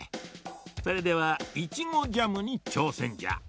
それではイチゴジャムにちょうせんじゃ。